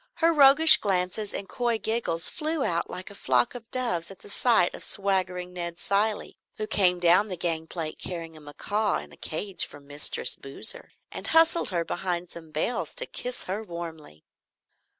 Her roguish glances and coy giggles flew out like a flock of doves at the sight of swaggering Ned Cilley, who came down the gangplank carrying a macaw in a cage for "Mistress Boozer," and hustled her behind some bales to kiss her warmly.